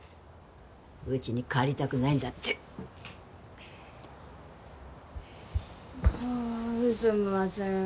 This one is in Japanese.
ウチに帰りたくないんだってはあすんません